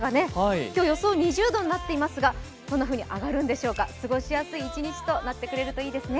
今日予想２０度になっていますが、こんなに上がるんでしょうか過ごしやすい一日となってくれるといいですね。